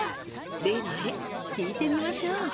例のアレ聞いてみましょう。